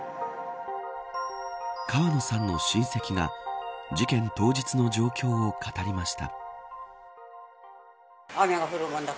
川野さんの親戚が事件当日の状況を語りました。